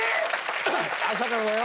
朝からだよ！